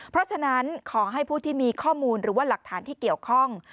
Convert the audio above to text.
เพราะฉะนั้นขอให้ผู้ที่มีข้อมูลหรือว่าหลักฐานที่เกี่ยวข้อง